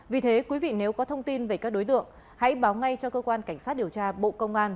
vì thế quý vị nếu có thông tin về các đối tượng hãy báo ngay cho cơ quan cảnh sát điều tra bộ công an